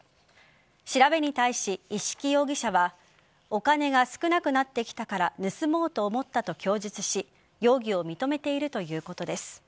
調べに対し一色容疑者はお金が少なくなってきたから盗もうと思ったと供述し容疑を認めているということです。